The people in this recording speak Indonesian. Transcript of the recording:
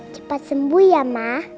cepat sembuh ya ma